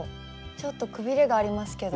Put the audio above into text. ちょっとくびれがありますけど。